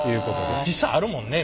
実際あるもんね。